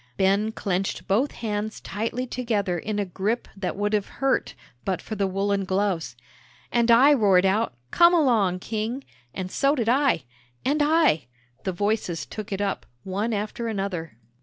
Ben clenched both hands tightly together in a grip that would have hurt but for the woollen gloves. "And I roared out, 'Come along, King '" "And so did I." "And I." The voices took it up, one after another.